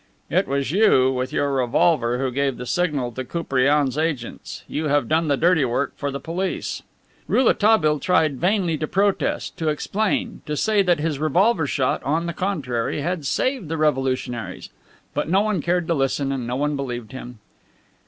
"It was you, with your revolver, who gave the signal to Koupriane's agents! You have done the dirty work for the police." Rouletabille tried vainly to protest, to explain, to say that his revolver shot, on the contrary, had saved the revolutionaries. But no one cared to listen and no one believed him.